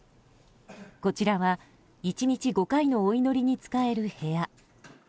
こちらは１日５回のお祈りに使える部屋。